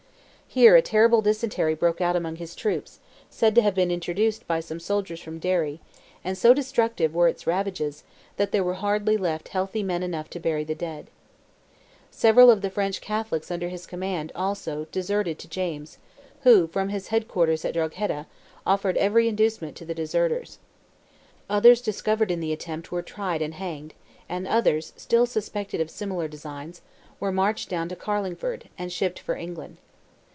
Here a terrible dysentery broke out among his troops, said to have been introduced by some soldiers from Derry, and so destructive were its ravages, that there were hardly left healthy men enough to bury the dead. Several of the French Catholics under his command, also, deserted to James, who, from his head quarters at Drogheda, offered every inducement to the deserters. Others discovered in the attempt were tried and hanged, and others, still suspected of similar designs, were marched down to Carlingford, and shipped for England.